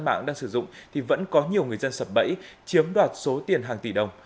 và các cơ sở đoàn mạng đang sử dụng thì vẫn có nhiều người dân sập bẫy chiếm đoạt số tiền hàng tỷ đồng